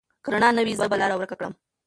که رڼا نه وي، زه به لاره ورکه کړم.